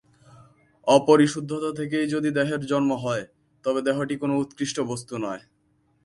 অপরিশুদ্ধতা থেকেই যদি দেহের জন্ম হয়, তবে দেহটি কোন উৎকৃষ্ট বস্তু নয়।